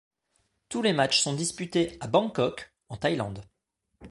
Tous les matchs sont disputés à Bangkok, en Thaïlande.